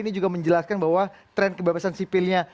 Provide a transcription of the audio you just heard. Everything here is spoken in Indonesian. ini juga menjelaskan bahwa tren kebebasan sipilnya